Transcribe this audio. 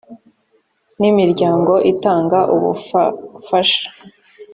ry imiryango itanga ubufafasha